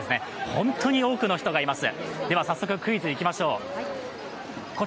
本当に多くの人がいます。